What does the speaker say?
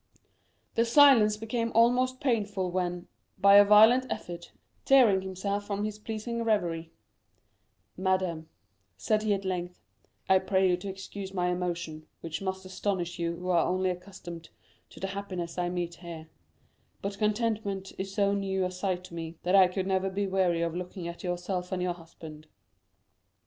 The silence became almost painful when, by a violent effort, tearing himself from his pleasing reverie: "Madame," said he at length, "I pray you to excuse my emotion, which must astonish you who are only accustomed to the happiness I meet here; but contentment is so new a sight to me, that I could never be weary of looking at yourself and your husband."